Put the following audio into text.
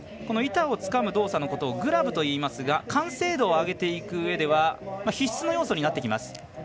板をつかむ動作のことをグラブといいますが完成度を上げていくうえでは必須の要素になってきます。